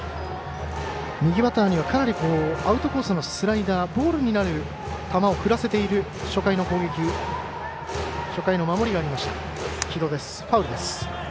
右バッターにはアウトコースのスライダーボールになる球を振らせている初回の守りがありました城戸です。